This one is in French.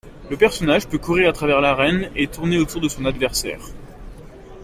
Le personnage peut courir à travers l'arène et tourner autour de son adversaire.